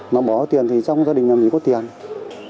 nó bỏ tiền thì trong gia đình mình có thể bỏ ra